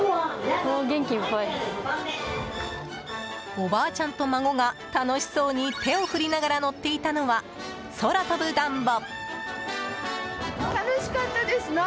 おばあちゃんと孫が楽しそうに手を振りながら乗っていたのは空飛ぶダンボ。